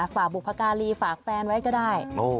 ฝากบุคคลาฝากแฟนไว้ก็ได้